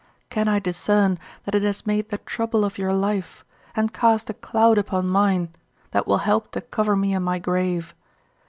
Can I discern that it has made the trouble of your life, and cast a cloud upon mine, that will help to cover me in my grave?